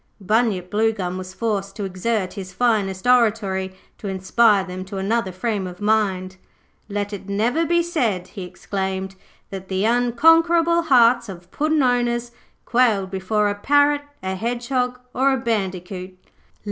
Bunyip Bluegum was forced to exert his finest oratory to inspire them to another frame of mind. 'Let it never be said,' he exclaimed, 'that the unconquerable hearts of Puddin' owners quailed before a parrot, a hedgehog, or a bandicoot.'